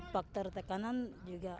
faktor tekanan juga